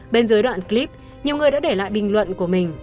bên dưới đoạn clip nhiều người đã để lại bình luận của mình